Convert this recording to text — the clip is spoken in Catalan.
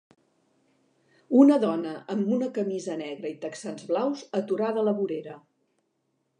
Una dona amb una camisa negra i texans blaus aturada a la vorera.